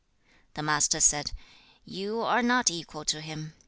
3. The Master said, 'You are not equal to him.